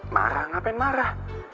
marah ngapain marah